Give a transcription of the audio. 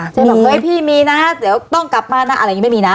เช่นแบบเฮ้ยพี่มีนะเดี๋ยวต้องกลับมานะอะไรอย่างนี้ไม่มีนะ